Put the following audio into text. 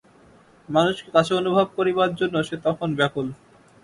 মানুষকে কাছে অনুভব করিবার জন্য সে তখন ব্যাকুল।